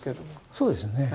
そうですね。